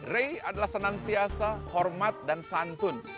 rey adalah senantiasa hormat dan santun